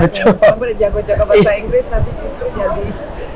kalau boleh jago jago bahasa inggris nanti bisa jadi